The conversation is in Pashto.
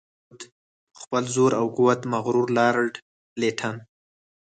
په خپل زور او قوت مغرور لارډ لیټن.